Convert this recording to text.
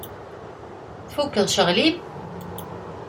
Tfukkeḍ ccɣel-im?